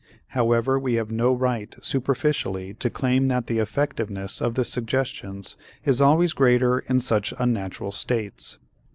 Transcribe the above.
However we have no right superficially to claim that the effectiveness of the suggestions is always greater in such unnatural states.